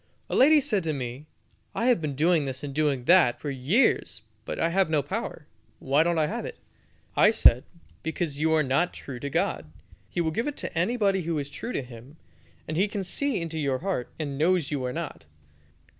A lady said to me, "I have been doing this and doing that for years, but I have no power; why don't I have it?" I said, "Because you are not true to God. He will give it to anybody who is true to Him, and He can see into your heart, and knows you are not."